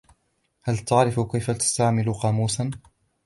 هل تعرف كيف تستخدم قاموسًا ؟